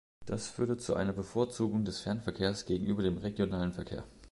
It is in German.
Das führte zu einer Bevorzugung des Fernverkehrs gegenüber dem regionalen Verkehr.